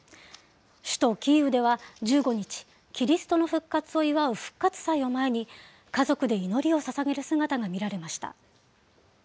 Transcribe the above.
首都キーウでは１５日、キリストの復活を祝う復活祭を前に、家族で祈りをささげる姿が見